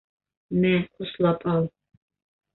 Мә, услап ал!